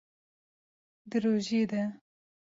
Di rojiya de